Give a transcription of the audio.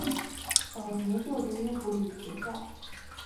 早年就读于武岭学校。